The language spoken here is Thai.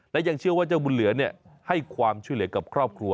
และยังเชื่อว่าเจ้าบุญเหลือให้ความช่วยเหลือกับครอบครัว